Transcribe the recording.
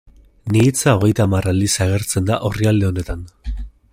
Ni hitza hogeita hamar aldiz agertzen da orrialde honetan.